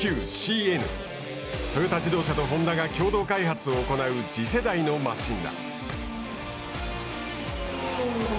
トヨタ自動車とホンダが共同開発を行う次世代のマシンだ。